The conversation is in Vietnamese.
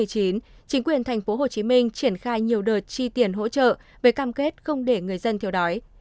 chính quyền tp hcm triển khai nhiều đợt chi tiền hỗ trợ về cam kết không để người dân thiếu đói